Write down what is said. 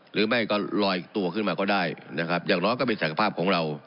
หรือไม่ก็ลอยตัวขึ้นมาก็ได้นะครับอย่างน้อยก็เป็นศักยภาพของเรา